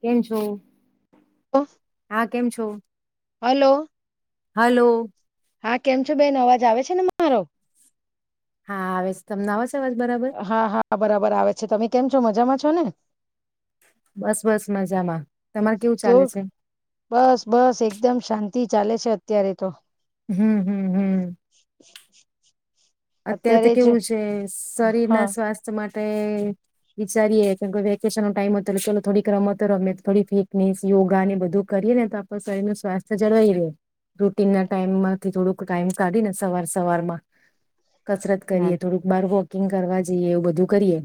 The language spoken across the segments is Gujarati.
કેમ છો ઓફ હા કેમ છો હલો હલો હા કેમ છો બેન અવાજ આવે છે ને મારો હા આવે તમને હ હા હા બરાબર આવે છે તમે કેમ છો મજામાં છો ને બસ બસ મજામાં તમારે કેવું ચાલે કેવ છે? બસ બસ એકદમ શાંત થી ચાલે છે અત્યારે તો હમ હમ હમ [inaudible] અત્યારે તો કેવું છે હા શરીરના સ્વાસ્થ્ય માટે આપ વિચારીએ કે વેકેશન નો ટાઈમ હતો ચાલ થોડીક રમતો રમે થોડી ફિટનેસ યોગા બધું કરીએ ને તો આપ શરીર ન સ્વાસ્થ્ય જળવાઈ ર રૂટીન ના ટાઈમ માંથી થોડુંક ટાઈમ કાઢી ને સવાર સવારમાં કસરત ના કરીએ થોડુંક બાર હોો કિંગ કરવા જઈએ એવું બધું કરીએ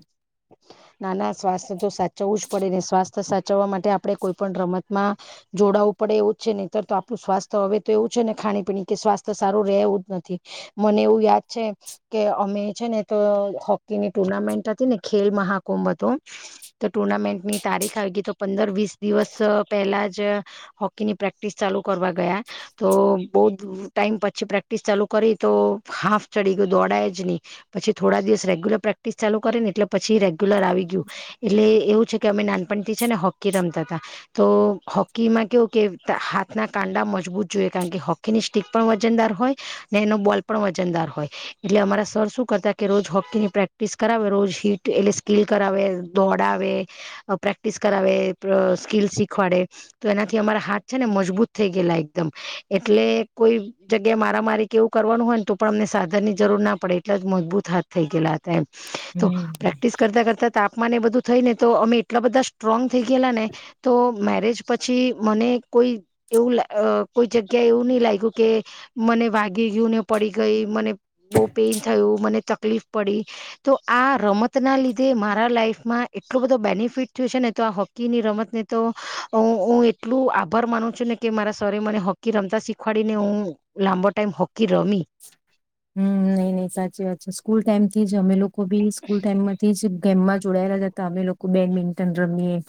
ના ના સ્વાસ્થ્ય તો સાચવું જ પડે ને સ્વાસ્થ્ય સાચવવા માટે આપડે કોઈ પણ રમતમાં જોડાવું પડે એવું જ છે નહીતર તો આપણું સ્વાસ્થ્ય હવે તો એવું છે ને ખાણી પીણી કે સ્વાસ્થ્ય સારું રહેવું જ નથી મને એવું યાદ છે કે અમે છે ને તો હોકીની ટુર્નામેન્ટ હતી ને ખેલ મહાકુંભ હતો તો ટુર્નામેન્ટની તારીખ આવી ગઈ તો પંદર વીસ દિવસ પહેલા જ હોકીની પ્રેક્ટિસ ચાલુ કરવા ગયા તો બહુ જ ટાઈમ પછી પ્રેક્ટિસ ચાલુ કરી તો હાફ ચડી ગયું દોડાય જ નહીં પછી થોડા દિવસ રેગ્યુલર પ્રેક્ટિસ ચાલુ કરીે ને એટલે પછી રેગ્યુલર આવી ગયું એટલે એવું છે કે અમે નાનપણથી છે ને હોકી રમતા હતા તો હોકીમાં કેવું કે હાથના કાંડા મજબૂત જોઈએ કારણ કે હોકીની સ્ટીક પણ વજનદાર હોય ને એનો બોલ પણ વજનદાર હોય એટલે અમારા સર શું કરતા કે રોજ હોકીની પ્રેક્ટિસ કરાવે રોજ હીટ એટલે સ્કીિલ કરાવે દોડાવે પ્રેક્ટિસ કરાવે સ્કીિલ શીખવાડે તો એનાથી અમારા હાથ છે ને મજબૂત થઈ ગયેલા એકદમ એટલે કોઈ જગ્યા મારા મારી કે એવું કરવાનું હોય ને તો પણ અમને સાધનની જરૂર ના પડે એટલા જ મજબૂત હાથ થઈ ગયલાા તો હમ પ્રેક્ટિસ કરતા કરતા તાપમાન એ બધું થઈ ને તો અમે એટલા બધા સ્ટ્રોંગ થઈ ગયેલા ને તો મેરેજ પછી મને કોઈ એવું કોઈ જગ્યા એવું નહી લાગ્યું કે મને વાગી ગયુંને પડી ગઈ મને બહુ પેઇન થયું મને તકલીફ પડી તો આ રમત રમત ના લીધે મારા લાઈફમાં એટલો બધો બેનિફિટ થયયો છે ને તો આ હોકીની રમતને તો હું એટલું આભાર માનું છું ને કે મારા સ્વરે મને હોકી રમતા શીખવાડીને હું લાંબો ટાઈમ હોકી રમી હમ નઈ નઈ સાચી વાત છે સ્કૂલ ટાઈમથી જ અમે લોકો કો બી સ્કૂલ ટાઈમ માંથી જ કેમ્પમાં જોડાયેલા જતા અમે લોકો બેડમિન્ટન રમીએ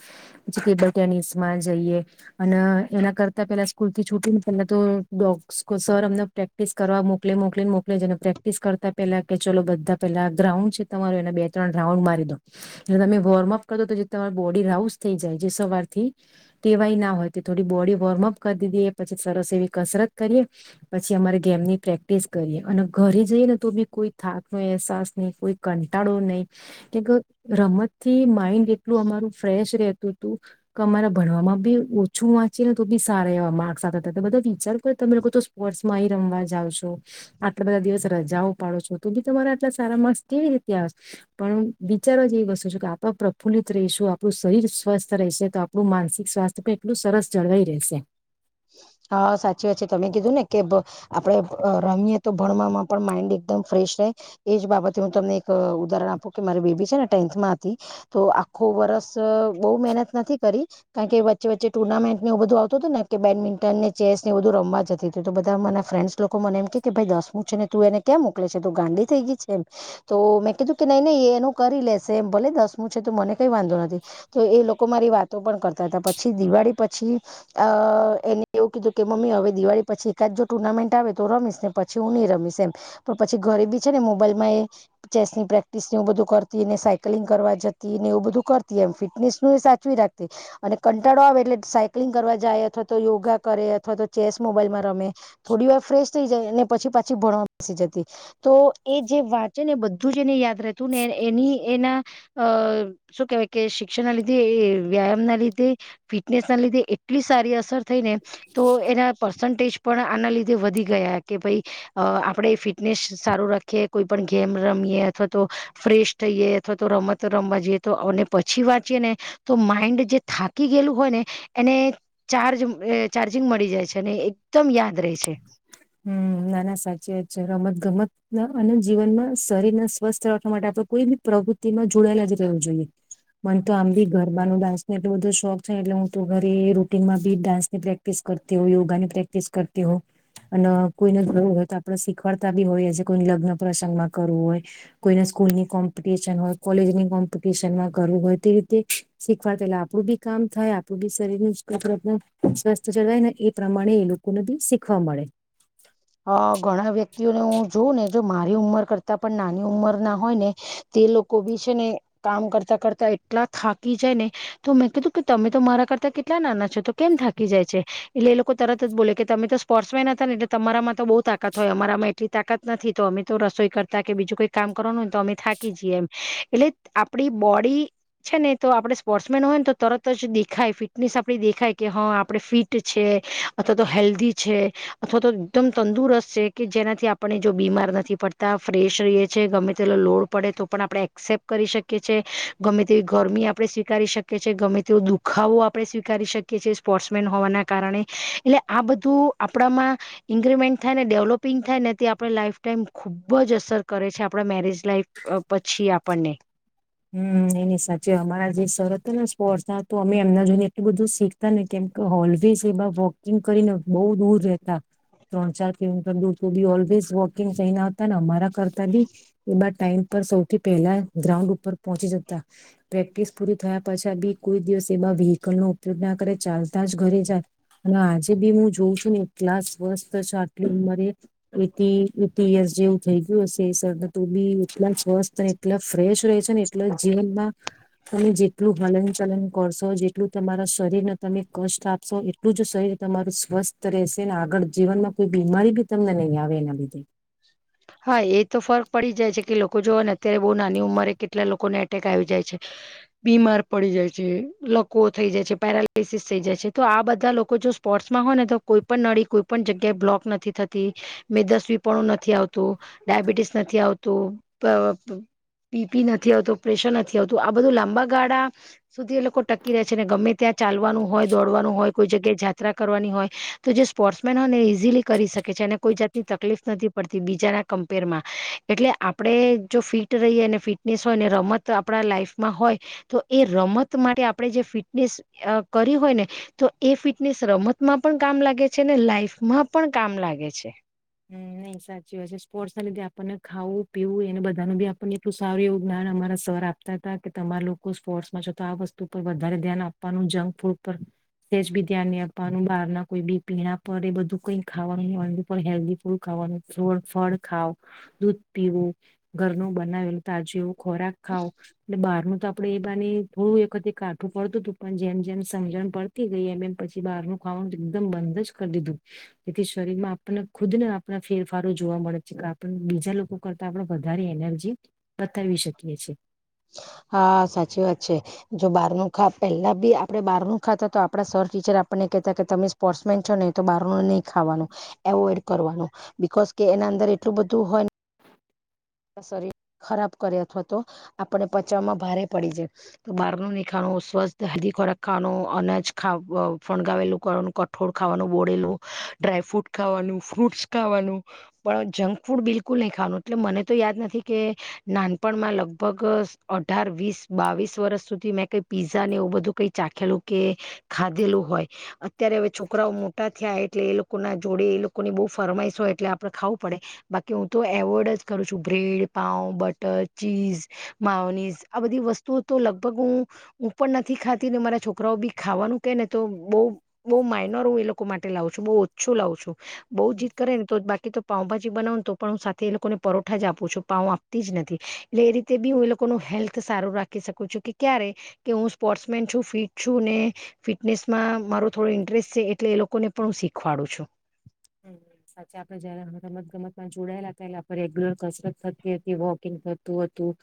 પછી ટેબલ ટેનિસ માં જઈએ અને એના કરતા પેલા સ્કૂલ થી છૂટી ને પેલા તો ડોગસ સર અમને પ્રેક્ટિસ કરવા મોક મો મોકલીને મોકલીને પ્રેક્ટિસ કરતા પેલા કે ચલો બધા પેલા ગ્રાઉન્ડ છે તમારો એને બે ત્રણ રાઉન્ડ મારી દો તમે વોર્મઅપ કરી દો તો જે તમા બોડી રાઉસ થઈ જાય જે સવારથી વાય ના હોય તે થોડી બોડી વોર્મઅપ કરી દઈએ પછી સરસ એવી કસરત કરીએ પછી અમારે ગેમની પ્રેક કરીએ અને ઘરે જઈએ ને તો બી કોઈ થાક ન અહેસાસ નહી કોઈ કંટાળો નહીિ કે રમત થી માઇન્ડ એટલું અમારું ફ્રેશ રહે તો તું તમામારા ભણવામાં બી ઓછું વાંચી ને તો બી સારા એવા માર્ક્સ આવતા હતા બધા વિચાર કર તમે લોકો તો સ્પોર્ટ્સમાં રમવા જાાવ છો આટલા બધા દિવસ રજાઓ પાડો છો તો બી તમારા આટલા સારા માણસ કેવી રીતે આવશે પણ બિચારો જ એવી વસ્તુ છ કે આપ પ્રફુલ્લિત રહીશું આપણું શરીર સ્વસ્થ રહેશે તો આપણું માનસિક સ્વાસ્થ્ય પણ એટલું સરસ જળવાઈ રહેશે હા સાચી વાત છે તમે કીધું ને કે આપડે રમીએ તો ભણવામાં પણ માઇન્ડ એકદમ ફ્રેશ રહે એજ બાબતે હું તમને એક ઉદાહરણ આપું કે મારી બેબી છે ને ટેન્થમાંથી તો આખો વર્ષ બહુ મહેનત નથી કરી કારણ કે વચ્ચે વચ્ચે ટુર્નામેન્ટને એવું બધું આવતું હતું ને કે બેડમિન્ટન ને ચેસ ને એ બધું રમવા જતી હતીું તો બધા મના ફ્રેન્ડ્સ લોકો મને એમ કે કે ભાઈ દસમું છે ને તું એને ક્યાં મોકલે છે તો ગાંડી થઈ ગઈ છે એમ તો મેં કીધું કે નહી નહી એનું કરી લેશે એમ ભલે દસમું છે તો મને કંઈ વાંધો નથી તો એ લોકો મારી વાતો પણ કરતા હતા પછી દિવાળી પછી અ એને એવું કીધું કે મમ્મી હવે દિવાળી પછી એકાદ જો ટુર્નામેન્ટ આવે તો રમી ને પછી હું નહીં રમીશ એમ પણ પછી ઘરે બી છે ને મોબાઈલમાં એ ચેસ ની પ્રેક્ટિસ ને એવું બધું કરતી ને સાયક્લિંગ કરવા જતી ને એવું બધું કરતી એમ ફિટનેસ નું એ સાચવી રાખતી અને કંટાળો આવે એટલે સાયકલિંગ કરવા જાય અથવા તો યોગા કરે અથવા તો ચેસ મોબાઈલમાં રમે થોડી વાર ફ્રેશ થ જાય પછી પાછી ભણવા બેસી જતી તો એ જે વાતચ છે ને બધું જ એને યાદ ર છું એની એના શું કેવાય કે શિક્ષણ ના લીધે વ્યાયામ ના લીધે ફિટનેસ ના લીધે એટલી સારી અસર થઈને તો એના પર્સન્ટેજ પણ આના લીધે વધી ગયા કે ભાઈ આપણે ફિટનેસ સારું રાખીએ કોઈ પણ ગેમ રમીએ અથવા તો ફ્રેશ થઈએ અથવા તો રમતો રમવા જઈએ તો પછી વાંચીએ ને તો માઈન્ડ જે થાકી ગયેલું હોય ને એને ચાર્જ એ ચાર્જિંગ મળી જાય છે ને એકદમ યાદ રહે છે હમ નાના સાચી જ છે રમત ગમત અને જીવન માં શરીરને સ્વસ્થ રાખવા માટે આપડે કોઈ બી પ્રવૃતિ ન જોડાયેલા જ રહેવું જોઈએ મને તો આમ બી ઘરમાં ન ડાન્સ નો એટલો બધો શોખ છે એટલે હું તો ઘરે રૂટીનમાં બી ડાન્સની પ્રેક્ટિસ કરતી હો યોગાની પ્રેક્ટિસ કરતી હો. અને કોઈને જવું હોય તો આપડ શીખવાડતા બી હોઈએએ કોઈને લગ્ન પ્રસંગ માં કરવું હોય કોઈને સ્કૂલ ની કોમ્પિટિશન હોય કોલેજની કોમ્પિટિશન માં કરવું હોય તે રીતે શીખવાડતાલે આપણું બી કામ થાય આપડું બી શરીર સ્વસ્થ જળવાય ને એ પ્રમાણે એ લોકોને બી શીખ ખવા મળે. હ ઘણા વ્યક્તિઓને હું જોઉં ને જો મારી ઉંમર કરતાં પણ નાની ઉંમર ના હોય ને તે લોકો બી છે ને કામ કરતા કરતા એટલા થાકી જાય ને તો મેં કીધું કે તમે તો મારા કરતા કેટલા નાના છો તો કેમ થાકી જાય છે એટલે એ લોકો તરત જ બોલે કે તમે તો સ્પોર્ટ્સમેન હતા ને એ તમારામાં તો બહુ તાકાત હોય અમારામાં એટલી તાકાત નથી તો અમે તો રસોઈ કરતા કે બીજું કોઈ કામ કરવાનું હોય તો અમે થાકી જઈએ એમ એટલે આપણી બોડી છે ને તો આપણે સ્પોર્ટ્સમેન હોય ને તો તરત જ દેખાય ફિટનેસ આપણી દેખાય કે હા આપણે ફિટ છે અથવા તો હેલ્ધી છે અથવા તો એકદમ તંદુરસ્ત છે કે જેનાથી આપણે જો બીમાર નથી પડતા ફ્રેશ રહીએ છીએ ગમે તેલો લોડ પડે તો પણ આપણે એક્સેપ્ટ કરી શકીએ છીએ ગમે તેવી ગરમી આપણે સ્વીકારી શકીએ છીએ ગમે તેવો દુખાવો આપણે સ્વીકારી શકીએ છએ સ્પોર્ટ્સમેન હોવાના કારણે એટલે આ બધું આપણામાં ઈન્ક્રીમેન્ટ થાય ને ડેવલોપિંગ થાય ને તે આપણે લાઈફ ટાઈમ ખૂબ જ અસર કરે છે આપણા મેરેજ લાાઈફ પછી આપણને હમ એ ન સાચ અમારા જે સર હતાને સ્પોર્ટ્ ના તો અમે એમના જોઈને એટલું બધું શીખતા ને કેમ ઓલવેઝ એ વોકિંગ કરીને બહુ દૂર રહેતા ત્રણ ચાર કિલોમીટર દૂર બી ઓલવેઝ વોકિંગ થઈને આવતા ને અમારા કરતા બી એ ટાઈમ પર સૌથી પહેલા ગ્રાઉન્ડ ઉપર પહોંચી જતા પ્રેક્ટિસ પૂરી થયા પછા બી કોઈ દિવસ એ વ્હકલ નો ઉપયોગ ના કરે ચાલતા જ ઘરે જાય અને આજે બી હું જોઉં છું ને એટલા સ્વસ્થ આટલી ઉંમરેસ જેવું થઈ ગયું હશે સર તો બી એટલા વસ્તને એટલા ફ્રેશ ર છે ને એટલે જેલમાં તમે જેટલું હલન ચલન કરશો જેટલું તમારા શરીરને તમે કષ્ટ આપશો એટલું જ શરીર તમારું સ્વસ્થ રહેશે ને આગળ જીવનમાં કોઈ બીમારી બી તમને નહીં આવે એના લીધે. હા એ તો ફર્ક પડી જાય છે કે લોકો જો હોય ને અત્યારે બહુ નાની ઉંમરે કેટલા લોકોને એટેક આવી જાય છે બીમાર પડી જાય છે, લકવો એક થઈ જાય છે પેરાલાિસિસ થઈ જાય છે તો આ બધા લોકો જો સ્પોર્ટ્સમાં હોય ને તો કોઈ પણ નળી કોઈ પણ જગ્યાએ બ્લોક નથી થતી મેદસ્વી પણણું નથી આવતું ડાયાબિટીસ નથી આવતું પીપી નથી આવતું પ્રેશર નથી આવતું આ બધું લાંબા ગાળા સુધી એ લોકો ટકી રહે છે ને ગમે ત્યાં ચાલવાનું હોય દોડવાનું હોય કોઈ જગ્યાએ જાયાત્રા કરવાની હોય તો જે સ્પોર્ટ્સમેન હોય ને ઈઝીલી કરી શકે છે અને કોઈ જાતની તકલીફ નથી પડતી બીજાના કમ્પેરમાં એટલે આપણે જો ફિટ રહીએ ફિટનેસ હોય ને રમત આપણા લાઈફમાં હોય તો એ રમત માટે આપણે જે ફિટનેસ કરી હોય ને તો એ ફિટનેસ રમતમાં પણ કામ લાગે છે ને લાઈફમાં પણ કામ લાગે છે. નહ સાચી હોય છે સ્પોર્ટ્સ ના લીધે આપણને ખાવું પીવું એને બધાનું બી આપણને એટલું સારું એવું જ્ઞાન અમારા સર આપતા હતા કે તમારા લોકો સ્પોર્ટ્સમાં છેો તો આ વસ્તુ પર વધારે ધ્યાન આપવાનું જંક ફૂડ પર તેજ બી ધ્યાન નહી આપવાનું બહાર ના કોઈ બી પીણા પર એ બધું કઈ ખાવાનું નું પણ હેલ્ ફૂલું ખાવાનું ફળ ખાવ દૂધ પીવું ઘરનું બનાવેલું તાજું ખોરાક ખાવ બહાર ન તો આપણે એ બાર ને થોડું વખતતે કાઠું પડતું હતું પણ જેમ જેમ સમજણ પડતી ગઈ એમ એમ પછી બહારનું ખાવાનું એકદમ બંધ જ કરી દીધું જેથી શરીરમાં આપણને ખુદને આપણા ફેરફારો જોવા મળે છે કે આપ બીજા લોકો કરતાં આપણે વધારે એનર્જી બતાવી શકીએ છી. હા સાચી વાત છે જો બહાર ન ખા પેલા બી આપડે બહાર ન ખાતા તો આપડા સર ટીચર આપને કેહતા કે તમે સ્પોર્ટ્સ મેન છો નહી તો બહાર નુ નહી ખાવાનું એવોઈડ કરવાનું બીકોોઝ કે એના અંદર એટલું બધું હોય. શરીર ખરાબ કરે અથવા તો આપણે પચાવવામાં ભારે પડી જાય તો બહાર નુ નહી ખાવા સ્વસ્થ હેલ્દી ખોરાક ખાવાનો અનાજ ખ ફણગાવેલું ખનું કઠોળ ખાવાનું બોળેલું ડ્રાયફ્રૂટ ખાવાનું ફ્રૂટસ ખાવાનું પણ જંક ફૂડ બિલકુલ નહી ખાવાનું એટલે મને તો યાદ નથી કે નાનપણમાં લગભગ અઢાર વીસ બાવીસ વર્ષ સુધી મેં કઈ પીઝા ને એવું બધું કઈ ચાખેલું કે ખાધેલું હોય અત્યારે હવે છોકરાઓ મોટા થયા એટલે એ લોકોના જોડે એ લોકોની બહુ ફરમાઈશ હોય એટલે આપડે ખાવું પડે બાકી હું તો એવોર્ડ જ કરું છું બ્રેડ પાઉ બટર, ચીઝ, માવનીઝ આ બધી વસ્તુઓ તો લગભગ હું હું પણ નથી ખાતી ને મારા છોકરાઓ બી ખાવાનું કે ને તો બહુ બહુ માઇનોર હું એ લોકો માટે લાવું છું બહુ ઓછું લાવું છું. બઉ જીત કરે ને તો બાકી તો પાઉભાજી બનાવનું તો પણ હું સાથે એ લોકોને પરોઠા જ આપું છું પાઉ આપતી જ નથી એટલે એ રીતે બી હું એ લોકોનું હેલ્થ સારું રાખી શકું છું કે ક્યારે કે હું સ્પોર્ટસ મેન છું ફિટ છું ને ફિટનેસમાં મારો થોડો ઇન્ટરેસ્ટ છે એટલે એ લોકોને પણ હું શીખવાડું છું. સાચ આપડે જયારે રમત ગમતમાં જોડાયેલા હતા એ આપણે રેગ્યુલર કસરત થતી હતી વોકિંગ કરતું હતું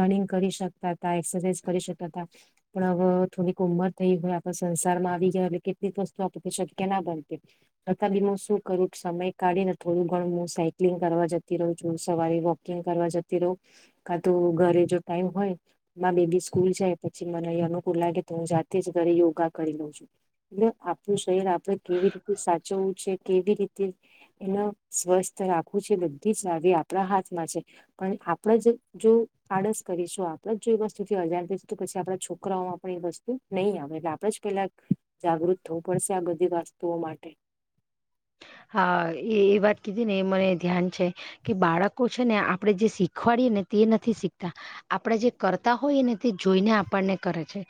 રનિંગ કરી શકતા હતા એક્સરસાઇઝ કરી શકતા હતા પણ હવે થોડીક ઉંમર થઈ હોય આપ સંસારમાં આવી ગયા એટ કેટલીક વસ્તુ આપ શક્ય ના બનતી. તથા બી શું કરું સમય કાઢી ને થોડું ઘણ હું સાયકલિંગ કરવા જતી રહું છું સવારે વોકિંગ કરવા જતી રહું કા તો ઘરે જો ટાઈમ હોય બેબી સ્કૂલ જાય પછી મને અનુકૂળ લાગે તો હું જાતે જ ઘરે યોગા કરી લઉં છું એલે આપણું શરીર તો કેવી રીતે સાચ કેવી રીતે એ સ્વસ્થ રાખવું છે બધી જ આવી આપણા હાથમાં છે પણ આપણે જ જો આડસ કરીશું આપણે જો એ વસ્તુથી અજાણ થશું તો પછી આપણા છોકરાઓમાં પણ એ વસ્તુ નહીં આવે એટલે આપણે જ પેલા જાગૃત થવું પડશે આ બધી વસ્તુઓ માટે હા એ એ વાત કીધી ને એ મને ધ્યાન છે કે બાળકો છે ને આપણે જે શીખવાડીએ ને તે નથી શીખતા આપણેે જે કરતા હોઈએ ને તે જોઈને આપણને કરે છે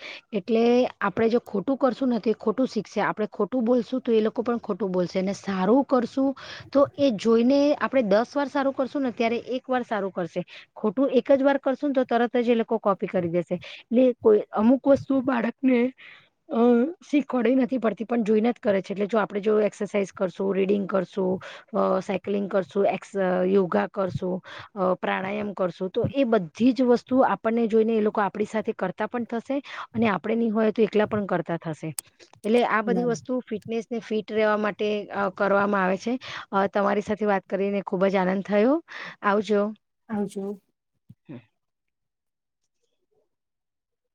એટલે આપણે જે ખોટું કરશું નથી એ ખોટું શીખશે આપડણે ખોટું બોલશું તો એ લોકો પણ ખોટું બોલશે. સારું કરશું તો એ જોઈને આપડે દસ વાર સારું કરશું ને ત્યારે એક વાર સારું કરશે ખોટું એક જ વાર કરશું ને તો તરત જ એ લોકો કોપી કરી દેશે એટલે કોઈ અમુક વસ્તુ બાળકને અ શીખવાડ નથી પડતી પણ જોઈને જ કરે છે એટલે જો આપણેે જો એક્સરસાઇઝ કરશું રીડિંગ કરશું સાયક્લિંગ કરશું એ યોગા કરશું પ્રાણાયામ કરશું તો એ બધી જ વસ્તુ આપણને જોઈને એ લોકો આપણી સાથે કરતા પણ થશે અને આપડે નહી હોય તો એકલા પણ કરતા થશે. એટલે આ બધી ના, વસ્તુ ફિટનેસ ને ફીટ રહેવા માટે તે કરવામાં આવે છે તમારી સાથે વાત કરીને ખૂબ જ આનંદ થયો આવજો. આવજો.